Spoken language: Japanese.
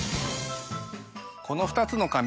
この２つの髪